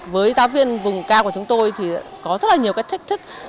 với giáo viên vùng cao của chúng tôi thì có rất là nhiều cái thách thức